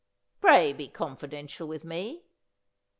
' Pray be confidential with me.'